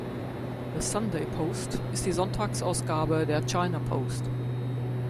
The Sunday Post ist die Sonntagsausgabe der China Post.